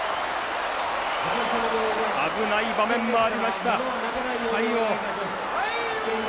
危ない場面もありました、魁皇。